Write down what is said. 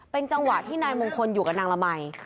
เป็นจังหวะที่นายมงคลอยู่กับนางละมัย